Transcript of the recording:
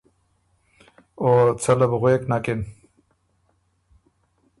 او څه له بو غوېک نکِن۔